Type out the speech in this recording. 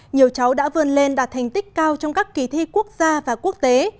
nhiều cháu đã vươn lên đạt thành tích cao trong các kỳ thi quốc gia và quốc tế